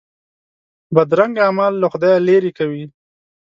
بدرنګه اعمال له خدایه لیرې کوي